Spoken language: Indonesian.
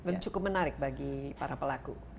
dan cukup menarik bagi para pelaku